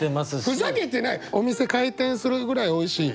お店開店するぐらい美味しい。